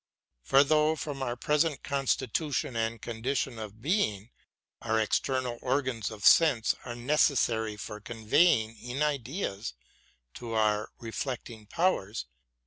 For though from our present constitution and condition of being, our external organs of sense are necessary for conveying in ideas to our reflecting powers